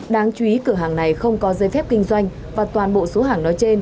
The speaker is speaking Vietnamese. đáng chú ý cửa hàng này không có giấy phép kinh doanh và toàn bộ số hàng nói trên